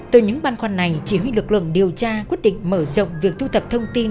từ những băn khoăn này chỉ huy lực lượng điều tra quyết định mở rộng việc thu thập thông tin